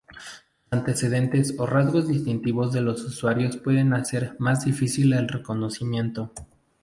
Los antecedentes o rasgos distintivos de los usuarios pueden hacer más difícil el reconocimiento.